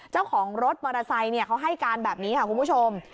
เจ้าของรถมอเตอร์ไซค์เขาให้การแบบนี้ค่ะคุณผู้ชม